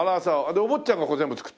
お坊ちゃんがこれ全部作って？